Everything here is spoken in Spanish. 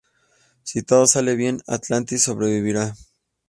Si todo sale bien, Atlantis sobrevivirá.